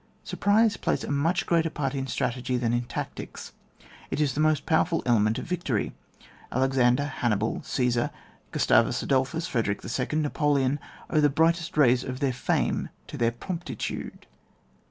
Surprise plays a much greater part in strategy than in tactics ; it is the most poweHid element of victory ; Alexander, Hannibal, Caesar, Gustavus Adolphus, Frederickn., Napoleon, owe the brightest rays of their fame to their promptitude.